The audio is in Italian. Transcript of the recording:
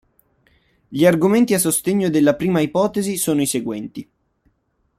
Gli argomenti a sostegno della prima ipotesi sono i seguenti.